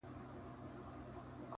هغې سړي ځان له فوځونه د سړو ساتلي